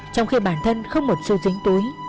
trong khi bản thân không một sự dính túi